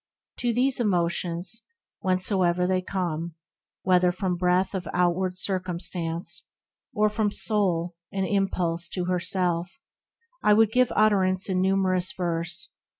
— To these emotions, whencesoe'er they come, Whether from breath of outward circumstance, Or from the Soul — an impulse to herself — I would give utterance in numerous verse.